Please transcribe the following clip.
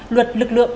luật lực lượng